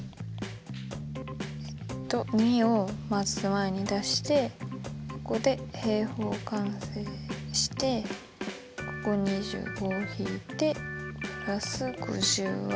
えっと２をまず前に出してここで平方完成して５×５＝２５を引いて＋５０は。